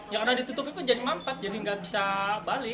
ya karena ditutup itu jadi mampat jadi nggak bisa balik